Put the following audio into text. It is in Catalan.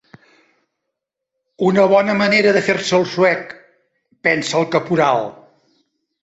Una bona manera de fer-se el suec, pensa el caporal.